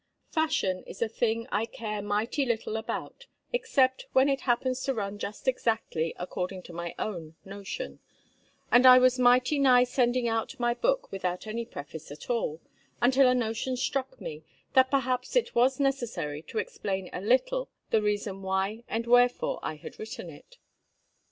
Fashion is a thing I care mighty little about, except when it happens to run just exactly according to my own notion; and I was mighty nigh sending out my book without any preface at all, until a notion struck me, that perhaps it was necessary to explain a little the reason why and wherefore I had written it.